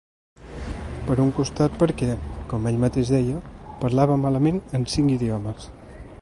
Per un costat perquè, com ell mateix deia, parlava malament en cinc idiomes.